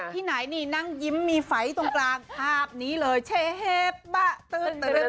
ปากอะไรฟั่งกัดที่ไหน